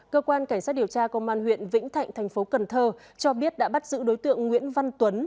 cơ quan cảnh sát điều tra công an huyện vĩnh thạnh thành phố cần thơ cho biết đã bắt giữ đối tượng nguyễn văn tuấn